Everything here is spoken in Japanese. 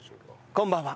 こんばんは。